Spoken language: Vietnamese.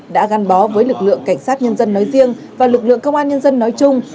đã gắn bó với lực lượng cảnh sát nhân dân nói riêng và lực lượng công an nhân dân nói chung